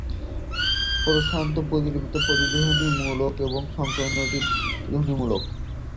প্রশস্ত প্রতিলিপিটি ধ্বনিমূলক এবং সংকীর্ণটি ধ্বনিমূলক।